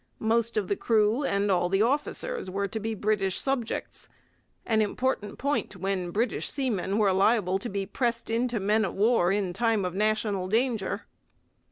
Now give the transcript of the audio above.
Most of the crew and all the officers were to be British subjects an important point when British seamen were liable to be 'pressed' into men of war in time of national danger.